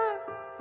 「あ！」